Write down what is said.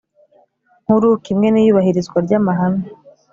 Nkuru kimwe n iyubahirizwa ry amahame